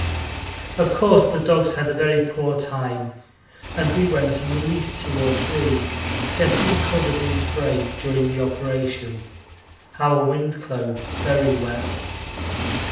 Of course the dogs had a very poor time, and we went and released two or three, getting covered in spray during the operation our wind clothes very wet.